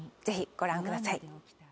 ぜひご覧ください